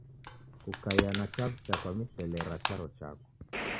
Kukaia na chaw'ucha kwa misele ra charo chako.